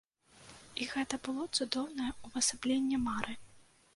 І гэта было цудоўнае ўвасабленне мары!